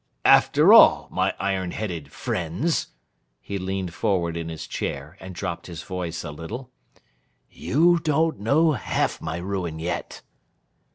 'After all, my iron headed friends,' he leaned forward in his chair, and dropped his voice a little, 'you don't know half my ruin yet.